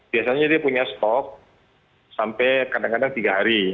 biasanya dia punya stok sampai kadang kadang tiga hari